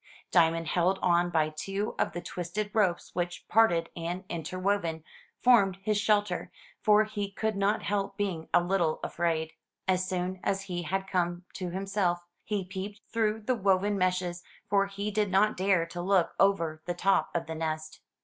Diamond held on by two of the twisted ropes which, parted and interwoven, formed his shelter, for he could not help being a little afraid. As soon as he had come to himself, he peeped through the woven meshes, for he did not dare to look over the top of the nest.